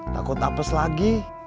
takut apes lagi